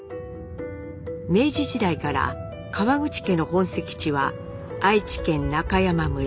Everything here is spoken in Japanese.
明治時代から川口家の本籍地は愛知県中山村。